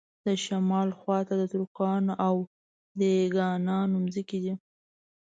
د شمال خواته د ترکانو او دېګانانو ځمکې دي.